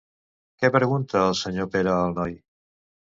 Què pregunta el senyor Pere al noi?